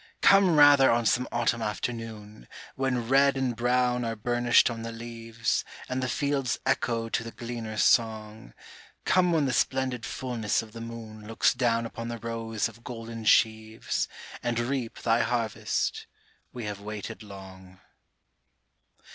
Come rather on some autumn afternoon, When red and brown are burnished on the leaves, And the fields echo to the gleaner's song, Come when the splendid fulness of the moon Looks down upon the rows of golden sheaves, And reap thy harvest : we have waited long.